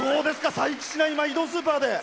佐伯市内を移動スーパーで。